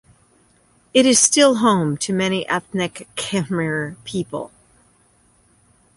It is still home to many ethnic Khmer people.